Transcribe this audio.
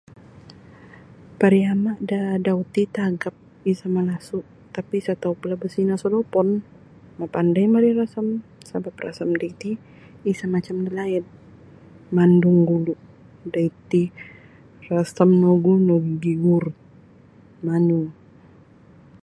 Pariama' da adau ti tagap isa' malasu' tapi' isa tau' pula bosino' sodopon mapandai mari rasam sabap rasam daiti isa' macam dalaid mandung gulu' daiti rasam nogu gimurut manu.